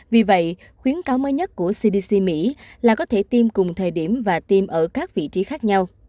vì vậy khuyến cáo mới nhất của cdc mỹ là có thể tiêm cùng thời điểm và tiêm ở các vị trí khác nhau